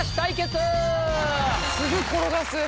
すぐ転がす。